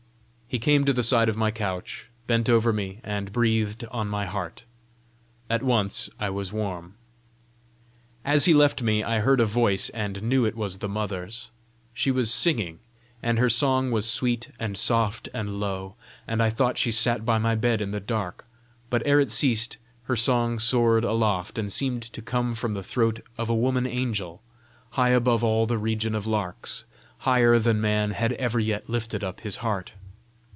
He came to the side of my couch, bent over me, and breathed on my heart. At once I was warm. As he left me, I heard a voice, and knew it was the Mother's. She was singing, and her song was sweet and soft and low, and I thought she sat by my bed in the dark; but ere it ceased, her song soared aloft, and seemed to come from the throat of a woman angel, high above all the region of larks, higher than man had ever yet lifted up his heart.